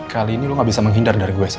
kali ini lo gak bisa menghindar dari gue